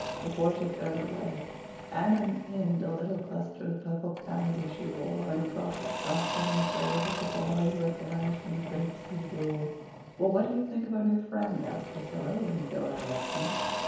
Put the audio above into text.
Before she turned away, Anne unpinned the little cluster of purple pansies she wore and dropped it softly on the grave of the boy who had perished in the great sea duel. "Well, what do you think of our new friend?" asked Priscilla, when Phil had left them.